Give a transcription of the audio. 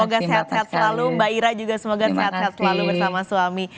semoga sehat sehat selalu mbak ira juga semoga sehat sehat selalu bersama suami